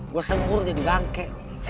gua sengkur jadi bangke